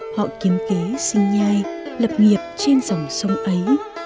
họ kiếm kế sinh nhai lập nghiệp trên dòng sông ấy